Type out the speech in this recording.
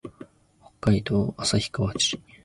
北海道旭川市